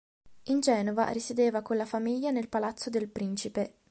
In Genova risiedeva con la famiglia nel palazzo del Principe.